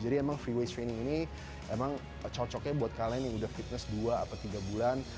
jadi memang free weight training ini emang cocoknya buat kalian yang udah fitness dua atau tiga bulan